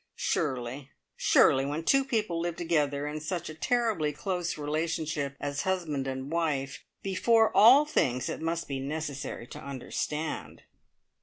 Surely, surely when two people live together in such a terribly close relationship as husband and wife, before all things it must be necessary to understand!